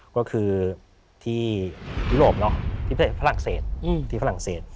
ก็คือที่ยุโรปที่ฝรั่งเศสที่ฝรั่งเศส